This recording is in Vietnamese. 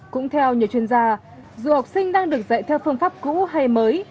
cũng theo nhiều chuyên gia dù học sinh đang được dạy theo phương pháp cũ hay mới